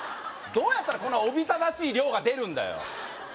どうやったらこのおびただしい量が出るんだよ